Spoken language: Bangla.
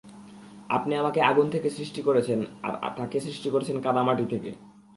আপনি আমাকে আগুন থেকে সৃষ্টি করেছেন আর তাকে সৃষ্টি করেছেন কাদা মাটি থেকে।